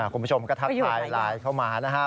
คุณผู้ชมก็ทัดไทลไลน์เข้ามานะฮะ